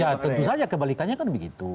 ya tentu saja kebalikannya kan begitu